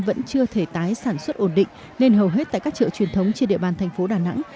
vẫn chưa thể tái sản xuất ổn định nên hầu hết tại các chợ truyền thống trên địa bàn thành phố đà nẵng